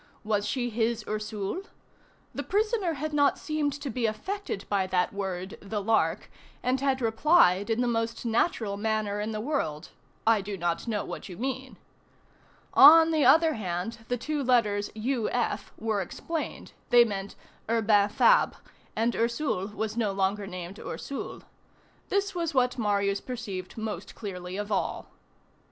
Was she his "Ursule"? The prisoner had not seemed to be affected by that word, "the Lark," and had replied in the most natural manner in the world: "I do not know what you mean." On the other hand, the two letters U. F. were explained; they meant Urbain Fabre; and Ursule was no longer named Ursule. This was what Marius perceived most clearly of all.